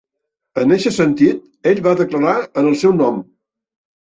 En eixe sentit, ell va declarar en el seu nom.